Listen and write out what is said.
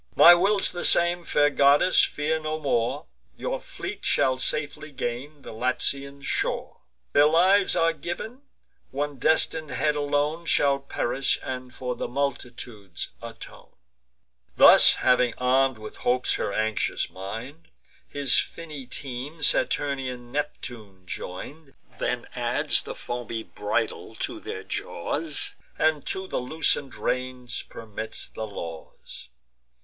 My will's the same: fair goddess, fear no more, Your fleet shall safely gain the Latian shore; Their lives are giv'n; one destin'd head alone Shall perish, and for multitudes atone." Thus having arm'd with hopes her anxious mind, His finny team Saturnian Neptune join'd, Then adds the foamy bridle to their jaws, And to the loosen'd reins permits the laws.